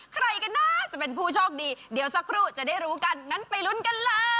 ใครกันน่าจะเป็นผู้โชคดีเดี๋ยวสักครู่จะได้รู้กันนั้นไปลุ้นกันเลย